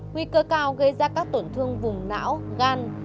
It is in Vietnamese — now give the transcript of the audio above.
nguy cơ cao gây ra các tổn thương vùng não gan